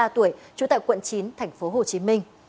bốn mươi ba tuổi trú tại quận chín tp hcm